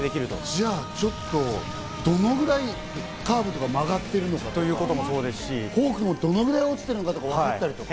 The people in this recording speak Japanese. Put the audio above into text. じゃあ、ちょっとどのぐらいカーブが曲がってるかとか、フォークもどのぐらい落ちてるかとか分かったりする。